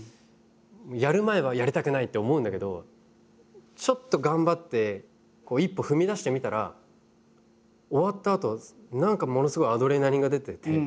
やる前はやりたくないって思うんだけどちょっと頑張って一歩踏み出してみたら終わったあと何かものすごいアドレナリンが出てて。